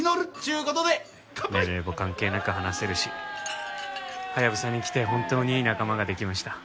年齢も関係なく話せるしハヤブサに来て本当にいい仲間ができました。